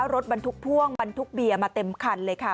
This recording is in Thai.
รถบรรทุกพ่วงบรรทุกเบียร์มาเต็มคันเลยค่ะ